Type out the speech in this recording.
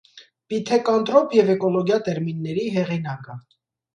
Պիթեկանտրոպ և էկոլոգիա տերմինների հեղինակը։